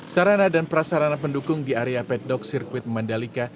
sarana dan prasarana pendukung di area petdog sirkuit mandalika